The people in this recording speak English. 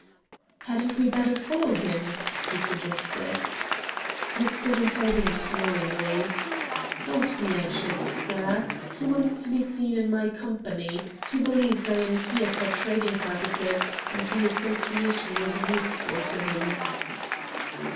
"Hadn't we better follow him?" he suggested. Mr. Winter winked knowingly. "Don't be anxious, sir. He wants to be seen in my company. He believes I am here for trading purposes, and the association will be useful to him."